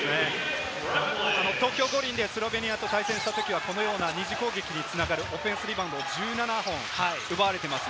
東京五輪でスロベニアと対戦したときはこのような二次攻撃につながるオフェンスリバウンド１７本を奪われています。